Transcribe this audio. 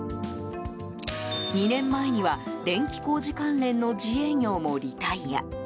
２年前には、電気工事関連の自営業もリタイア。